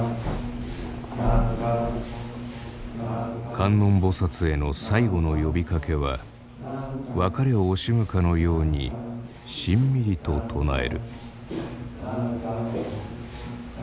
観音菩への最後の呼びかけは別れを惜しむかのようにしんみりと唱える。